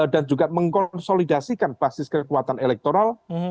dan juga mengkonsolidasikan basis kekuatan elektoral